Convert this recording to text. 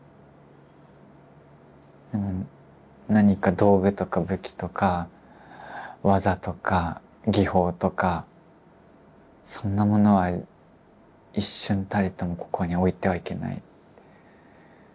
でも何か道具とか武器とか技とか技法とかそんなものは一瞬たりともここに置いてはいけない。